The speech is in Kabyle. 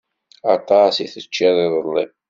Aṭas i teččiḍ iḍelli.